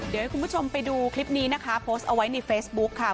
เดี๋ยวให้คุณผู้ชมไปดูคลิปนี้นะคะโพสต์เอาไว้ในเฟซบุ๊คค่ะ